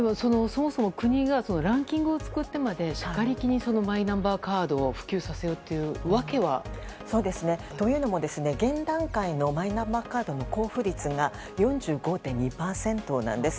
そもそも国がランキングを作ってまでしゃかりきにマイナンバーカードを普及させたい訳は？というのも、現段階のマイナンバーカードの交付率が４５．２％なんです。